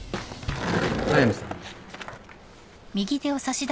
速見さん。